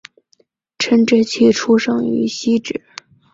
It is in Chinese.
陈植棋出生于汐止